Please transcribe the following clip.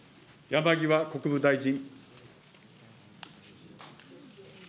山際国務大臣。